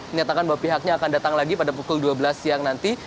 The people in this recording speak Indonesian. menyatakan bahwa pihaknya akan datang lagi pada pukul dua belas siang nanti